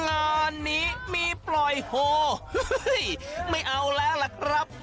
งานนี้มีปล่อยโฮไม่เอาแล้วล่ะครับ